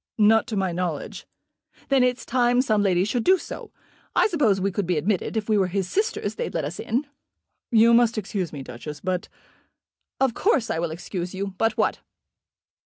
"Not to my knowledge." "Then it's time some lady should do so. I suppose we could be admitted. If we were his sisters they'd let us in." "You must excuse me, Duchess, but " "Of course I will excuse you. But what?"